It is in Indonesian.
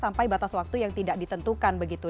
sampai batas waktu yang tidak ditentukan begitu